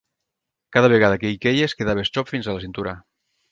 Cada vegada que hi queies quedaves xop fins a la cintura.